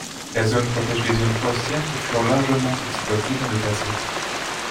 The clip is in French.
La zone protège des zones forestières qui furent largement exploitées dans le passé.